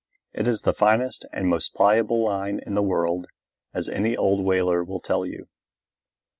It is the finest and most pliable line in the world, as any old whaler will tell you.